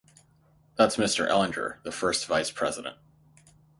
That's Mr. Ellinger, the first vice-president.